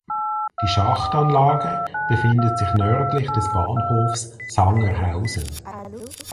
Die Schachtanlage befindet sich nördlich des Bahnhofs Sangerhausen.